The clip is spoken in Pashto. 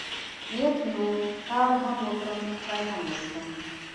نیت مې و، کار هم وکړم، چای هم وڅښم.